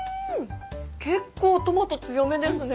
結構トマト強めですね。